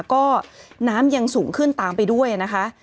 ก็น้ำยังสูงขึ้นตามไปด้วยนะคะ